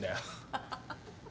ハハハ。